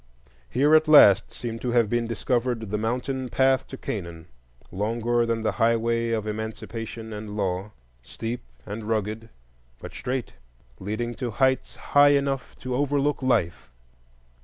Here at last seemed to have been discovered the mountain path to Canaan; longer than the highway of Emancipation and law, steep and rugged, but straight, leading to heights high enough to overlook life.